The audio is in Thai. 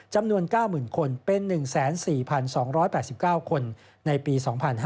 จำนวน๙๐๐คนเป็น๑๔๒๘๙คนในปี๒๕๕๙